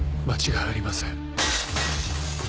間違いありません。